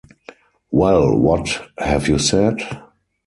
Well what have you said?